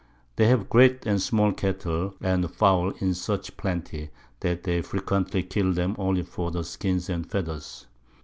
They have great and small Cattle, and Fowl in such plenty, that they frequently kill them only for the Skins and Feathers.